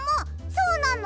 そうなの？